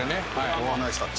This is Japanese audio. おおナイスタッチ！